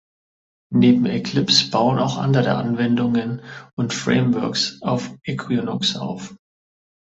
Neben Eclipse bauen auch andere Anwendungen und Frameworks auf Equinox auf.